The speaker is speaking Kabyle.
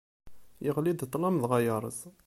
Yeɣli-d ṭṭlam dɣa yerreẓ.